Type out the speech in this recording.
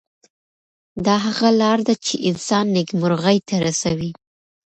دا هغه لار ده چې انسان نیکمرغۍ ته رسوي.